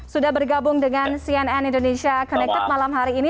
sudah bergabung dengan cnn indonesia connected malam hari ini